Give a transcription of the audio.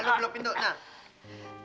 lompat lo pintu nah